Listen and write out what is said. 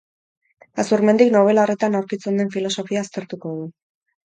Azurmendik nobela horretan aurkitzen den filosofia aztertuko du.